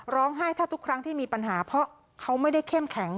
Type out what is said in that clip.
ร้องไห้แทบทุกครั้งที่มีปัญหาเพราะเขาไม่ได้เข้มแข็ง